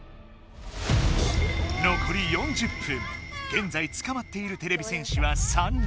げんざいつかまっているテレビ戦士は３人。